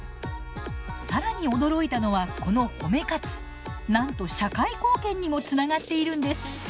更に驚いたのはこの褒め活なんと社会貢献にもつながっているんです。